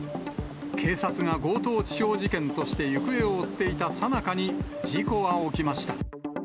警察が強盗致傷事件として行方を追っていたさなかに事故は起きました。